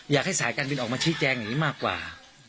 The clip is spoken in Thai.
อยากให้สายการบินออกมาชี้แจงอย่างนี้มากกว่า